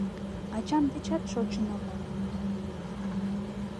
Ачам дечат шочын омыл